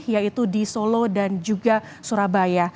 yaitu di solo dan juga surabaya